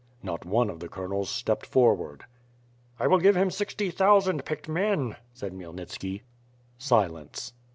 Not one of the Colonels stepped forward. "I will give him sixty thousand picked men," said Khmy elnitski. Silence.